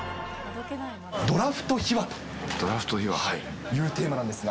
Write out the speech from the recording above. ドラフト秘話？というテーマなんですが。